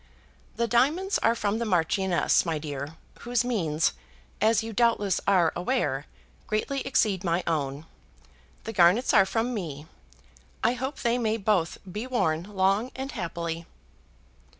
"The diamonds are from the Marchioness, my dear, whose means, as you doubtless are aware, greatly exceed my own. The garnets are from me. I hope they may both be worn long and happily."